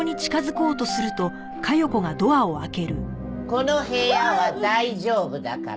この部屋は大丈夫だから。